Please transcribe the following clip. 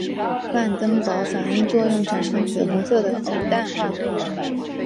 范登堡反应作用产生紫红色的偶氮化合物。